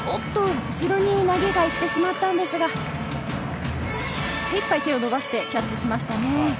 後ろに投げがいってしまったのですが精いっぱい手を伸ばしてキャッチしましたね。